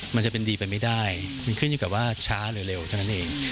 มันจะเป็นดีไปไม่ได้มันขึ้นอยู่กับว่าช้าหรือเร็วเท่านั้นเอง